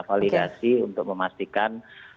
validasi untuk memastikan